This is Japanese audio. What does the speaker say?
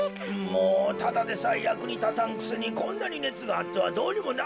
もうただでさえやくにたたんくせにこんなにねつがあってはどうにもならんわい。